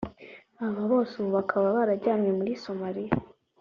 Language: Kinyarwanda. aba bose ubu bakaba barajyanywe muri Somalia